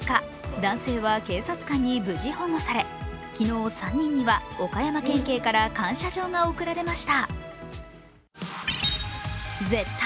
男性は警察官に無事保護され昨日３人には岡山県警から感謝状が贈られました。